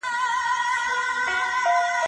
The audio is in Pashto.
تازه هوا